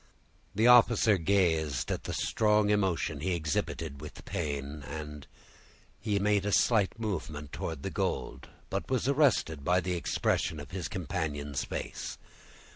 The officer gazed at the strong emotion he exhibited with pain, and he made a slight movement towards the gold; but it was arrested by the expression of his companion's face.